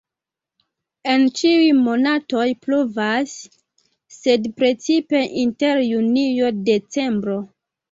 En ĉiuj monatoj pluvas, sed precipe inter junio-decembro.